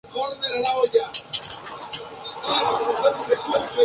Perdió la categoría, descendiendo por primera vez en su historia a la segunda división.